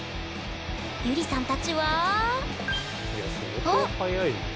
ゆりさんたちはあっ！